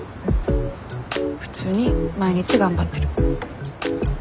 普通に毎日頑張ってる。